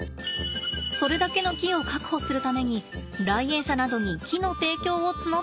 それだけの木を確保するために来園者などに木の提供を募ったんですって。